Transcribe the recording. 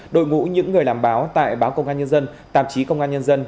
đội ngũ những người làm báo tại báo công an nhân dân tạp chí công an nhân dân